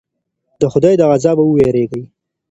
د خدای له عذابه وویریږئ.